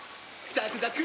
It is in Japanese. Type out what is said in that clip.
ザクザク！